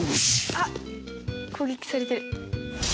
あっ攻撃されてる。